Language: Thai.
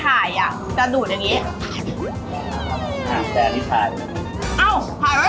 ถ้าไม่ถ่ายอ่ะจะดูดอย่างงี้อ้าวถ่ายได้หรอ